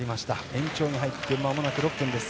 延長に入ってまもなく６分です。